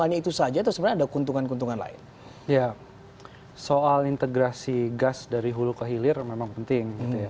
soal integrasi gas dari hulu ke hilir memang penting